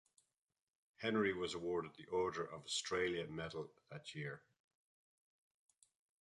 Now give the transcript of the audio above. Henry was awarded the Order of Australia Medal that year.